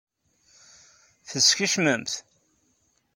Teskecmem-t?